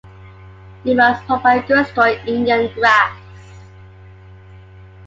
You must provide good strong Indian grass